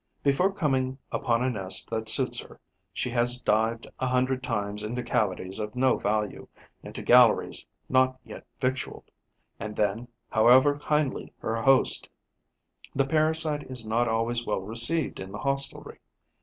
Before coming upon a nest that suits her, she has dived a hundred times into cavities of no value, into galleries not yet victualled. And then, however kindly her host, the parasite is not always well received in the hostelry.